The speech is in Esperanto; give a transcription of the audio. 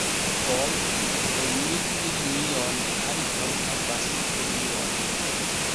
Foje, plenigi linion ankaŭ havas premion.